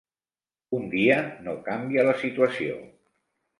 Un dia no canvia la situació.